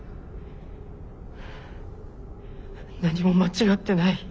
何も間違ってない。